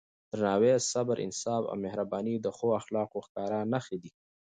درناوی، صبر، انصاف او مهرباني د ښو اخلاقو ښکاره نښې دي.